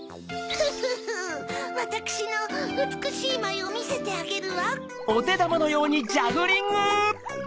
フッフッフッわたくしのうつくしいまいをみせてあげるわ。